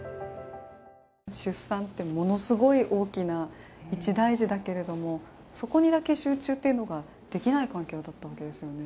出産ってものすごい大きな一大事だけれども、そこにだけ集中というのができない環境だったんですよね。